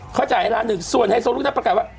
เขาจ่ายล้านหนึ่งส่วนไฮโซลูกนัดประกาศว่า